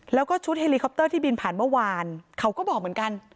แล้วก็ชุดเฮลิคอปเตอร์ที่บินผ่านเมื่อวานเขาก็บอกเหมือนกัน